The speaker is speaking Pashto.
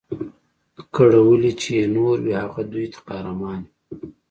کړولي چي یې نور وي هغه دوی ته قهرمان وي